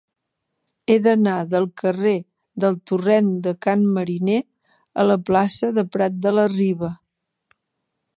He d'anar del carrer del Torrent de Can Mariner a la plaça de Prat de la Riba.